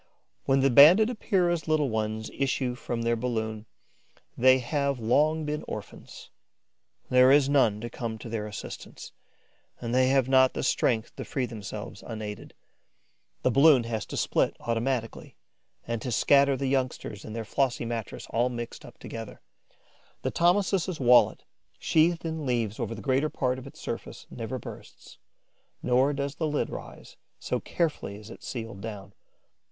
When the Banded Epeira's little ones issue from their balloon, they have long been orphans. There is none to come to their assistance; and they have not the strength to free themselves unaided. The balloon has to split automatically and to scatter the youngsters and their flossy mattress all mixed up together. The Thomisus' wallet, sheathed in leaves over the greater part of its surface, never bursts; nor does the lid rise, so carefully is it sealed down.